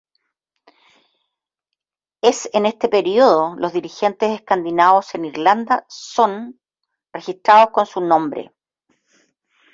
Es en este periodo los dirigentes escandinavos en Irlanda son registrados con su nombre.